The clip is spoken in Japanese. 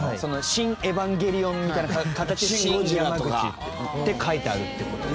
『シン・エヴァンゲリオン』みたいな形で「シン・ヤマグチ」って書いてあるって事。